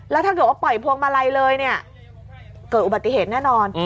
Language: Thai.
แล้วถ้าเกิดว่าปล่อยพวงมาลัยเลยเนี่ยเกิดอุบัติเหตุแน่นอน